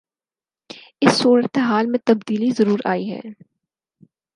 اس صورتحال میں تبدیلی ضرور آئی ہے۔